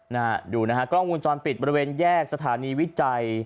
ภายใจกล้องมูลลงทรงปิดบริเวณแยกศาสนียวิใจ